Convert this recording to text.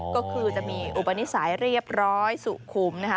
ก็คือจะมีอุปนิสัยเรียบร้อยสุขุมนะคะ